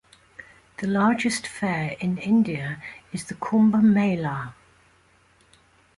The largest fair in India is the Kumbh Mela.